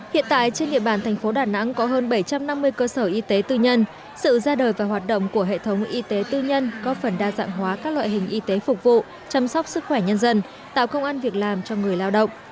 hiện tại trên địa bàn thành phố đà nẵng có hơn bảy trăm năm mươi cơ sở y tế tư nhân sự ra đời và hoạt động của hệ thống y tế tư nhân có phần đa dạng hóa các loại hình y tế phục vụ chăm sóc sức khỏe nhân dân tạo công an việc làm cho người lao động